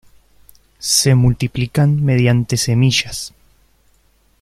Se multiplican mediante semillas.